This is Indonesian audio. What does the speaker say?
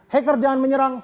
hacker jangan menyerang